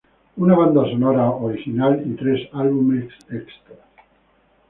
Una banda sonora original y tres álbumes extras.